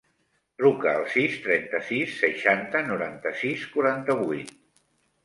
Truca al sis, trenta-sis, seixanta, noranta-sis, quaranta-vuit.